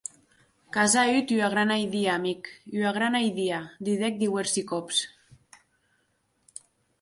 Qu’as auut ua grana idia, amic, ua grana idia, didec diuèrsi còps.